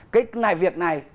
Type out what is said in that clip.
cái này việc này